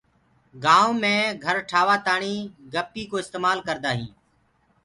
گآئونٚ مي گھر ٺآوآ تآڻي گَپي ڪو استمآل ڪردآ هينٚ۔